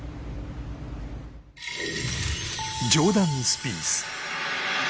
ジョーダン・スピース。